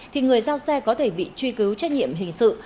thì người giao xe có thể bị truy cứu trách nhiệm hình sự